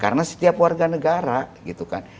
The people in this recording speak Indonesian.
karena setiap warga negara gitu kan